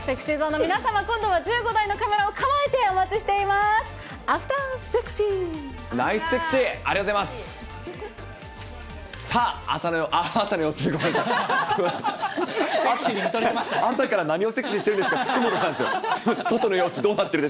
ＳｅｘｙＺｏｎｅの皆様、今度は１５台のカメラを構えてお待ちしてください。